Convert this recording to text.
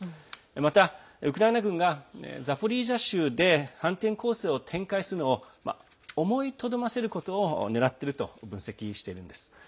またウクライナ軍がザポリージャ州で反転攻勢を展開するのを思いとどまらせることを狙っていると分析しているんです。